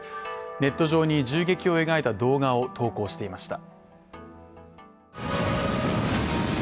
ネット上に銃撃を描いた動画を投稿していました。